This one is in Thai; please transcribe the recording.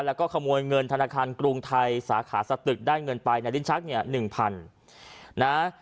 แล้วก็ขโมยเงินธนาคารกรุงไทยสาขาสตึกได้เงินไปในลิ้นชักเนี่ยหนึ่งพันนะ